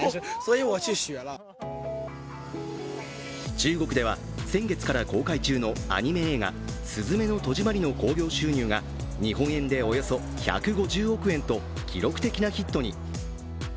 中国では先月から公開中のアニメ映画「すずめの戸締まり」の興行収入が日本円でおよそ１５０億円と記録的なヒットに。